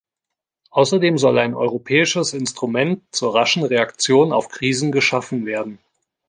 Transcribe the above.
Außerdem soll ein europäisches Instrument zur raschen Reaktion auf Krisen geschaffen werden.